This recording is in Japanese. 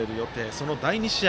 その第２試合